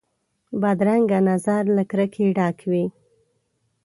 بدرنګه نظر له کرکې ډک وي